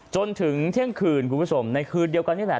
จนถึงเที่ยงคืนคุณผู้ชมในคืนเดียวกันนี่แหละ